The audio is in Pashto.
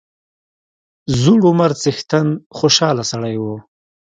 زوړ عمر څښتن خوشاله سړی وو.